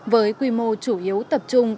với quy mô chủ yếu tập trung